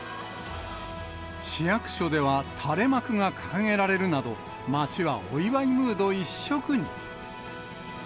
市役所では垂れ幕が掲げられるなど、街はお祝いムード一色に。